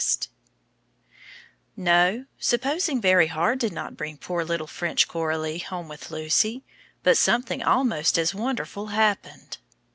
_] NO; supposing very hard did not bring poor little French Coralie home with Lucy; but something almost as wonderful happened.